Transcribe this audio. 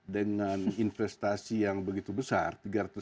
dengan investasi yang begitu besar